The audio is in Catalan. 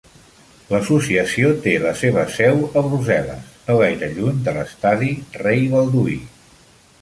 L'associació té la seva seu a Brussel·les, no gaire lluny de l'estadi Rei Balduí.